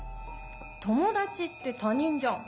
友達って他人じゃん。